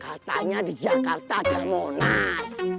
katanya di jakarta ada monas